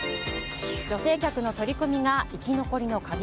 女性客の取り込みが生き残りの鍵？